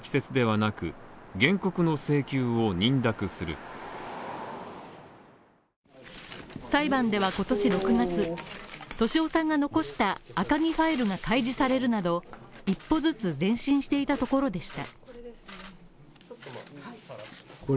その理由について、国側は裁判では今年６月、俊夫さんが残した赤木ファイルが開示されるなど、一歩ずつ前進していたところでした。